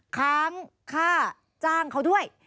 ค้างค่าจ้างเขาด้วย